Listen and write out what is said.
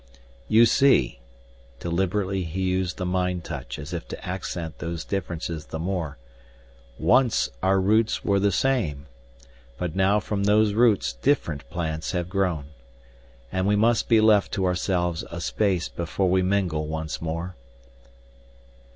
"You see," deliberately he used the mind touch as if to accent those differences the more, "once our roots were the same, but now from these roots different plants have grown. And we must be left to ourselves a space before we mingle once more.